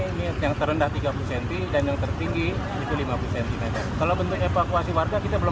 ini yang terendah tiga puluh cm dan yang tertinggi itu lima puluh cm kalau bentuk evakuasi warga kita belum